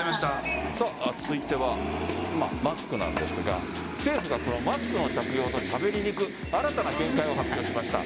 続いては、マスクなんですが政府がマスクの着用の新たな見解を発表しました。